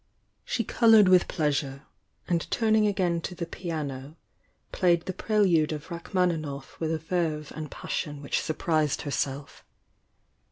She coloured with pleasure, and turning again to the piano played the "Prelude" of Rachmaninoff with a verve and passion which surprised herself.